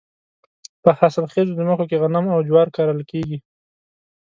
په حاصل خیزو ځمکو کې غنم او جوار کرل کیږي.